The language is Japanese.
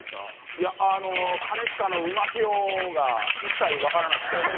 いや、兼近のうまぴょーが一切分からなくて。